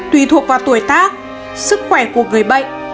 tùy thuộc vào tuổi tác sức khỏe của người bệnh